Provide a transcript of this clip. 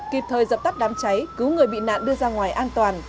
kịp thời dập tắt đám cháy cứu người bị nạn đưa ra ngoài an toàn